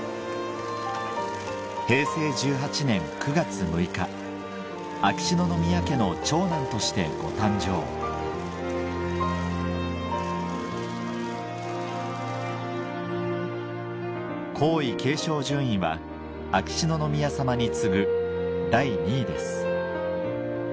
平成１８年９月６日秋篠宮家の長男としてご誕生皇位継承順位は秋篠宮さまに次ぐ第２位です